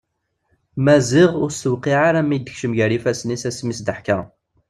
Maziɣ ur as-tuqiɛ ara mi d-tekcem gar ifasen-is asmi i as-d-teḥka.